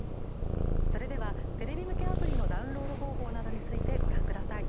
それでは、テレビ向けアプリのダウンロード方法などについてご覧ください。